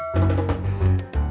ekonomi yuk kamuat